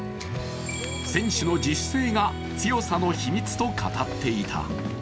選手の自主性が強さの秘密と語っていた。